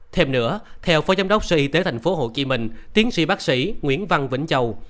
thêm nữa theo phó giám đốc sở y tế thành phố hồ chí minh tiến sĩ bác sĩ nguyễn văn vĩnh châu